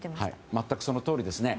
全くそのとおりですね。